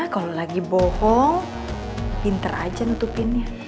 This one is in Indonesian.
kalau lagi bohong pinter aja nutupinnya